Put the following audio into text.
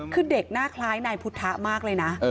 คือเด็กหน้าคล้ายนายพุทธะมากเลยนะ